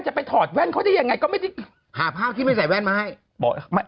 จะไปถอดแว่นเขาได้อย่างไรก็ไม่ได้หาภาพคิดไปใส่แว่นมาให้